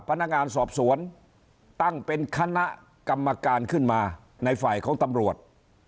พนักงานสอบสวนตั้งเป็นคณะกรรมการขึ้นมาในฝ่ายของตำรวจ